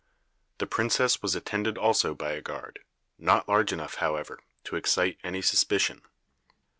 The princess was attended also by a guard, not large enough, however, to excite any suspicion.